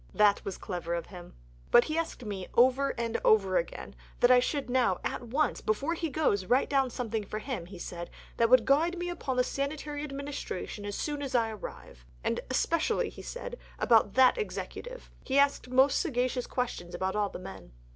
That was clever of him. But he asked me (over and over again) that I should now at once before he goes write down for him something (he said) "that would guide me upon the sanitary administration as soon as I arrive." And "especially (he said) about that Executive." He asked most sagacious questions about all the men.